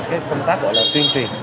cái công tác gọi là tuyên truyền